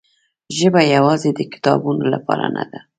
ژبه یوازې د کتابونو لپاره نه ده.